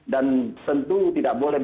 dan tentu tidak boleh